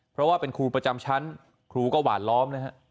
เพราะว่าเป็นครูประจำชั้นครูก็หวานล้อมนะฮะ